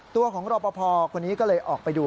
ตัวของรอปภคนนี้ก็เลยออกไปดู